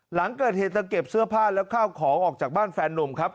หลังเกิดเหตุจะเก็บเสื้อผ้าแล้วข้าวของออกจากบ้านแฟนนุ่มครับ